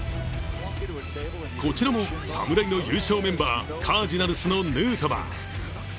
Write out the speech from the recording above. こちらも侍の優勝メンバー、カージナルスのヌートバー。